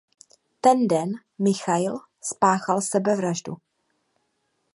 Ten den Michail spáchal sebevraždu.